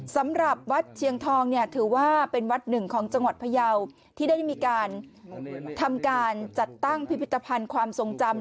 สำหรับวัดเชียงทองเนี่ยถือว่าเป็นวัดหนึ่งของจังหวัดพยาวที่ได้มีการทำการจัดตั้งพิพิธภัณฑ์ความทรงจำ